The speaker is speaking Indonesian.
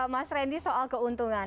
mas randy soal keuntungan